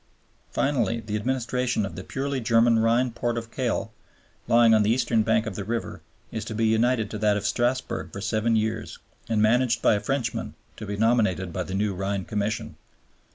Finally the administration of the purely German Rhine port of Kehl lying on the eastern bank of the river is to be united to that of Strassburg for seven years and managed by a Frenchman to be nominated by the new Rhine Commission.